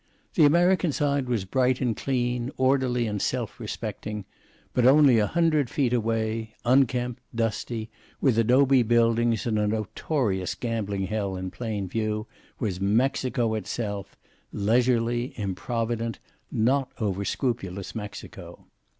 The American side was bright and clean, orderly and self respecting, but only a hundred feet away, unkempt, dusty, with adobe buildings and a notorious gambling hell in plain view, was Mexico itself leisurely, improvident, not overscrupulous Mexico.